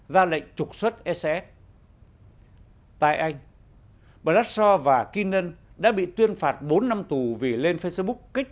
ra lệnh trục xuất ss tại anh blachow và keenan đã bị tuyên phạt bốn năm tù vì lên facebook kích